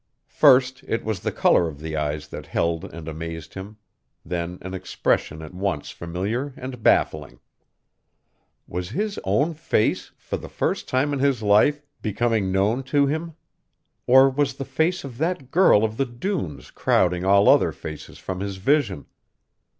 First it was the color of the eyes that held and amazed him; then an expression at once familiar and baffling. Was his own face, for the first time in his life, becoming known to him? Or was the face of that girl of the dunes crowding all other faces from his vision?